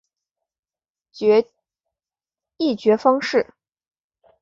议决方式